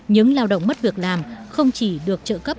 những lao động mất việc làm không chỉ được trợ cấp